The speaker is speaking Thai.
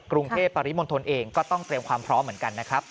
กรุงเทพปริมณฑลเองก็ต้องเตรียมความพร้อมเหมือนกันนะครับ